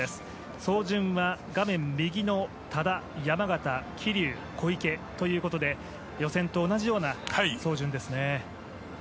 走順は画面右の多田、山縣桐生、小池ということで予選と同じような走順ですね。